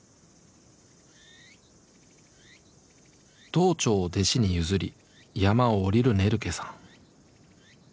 堂頭を弟子に譲り山を下りるネルケさん。